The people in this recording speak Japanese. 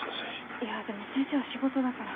いやでも先生は仕事だから。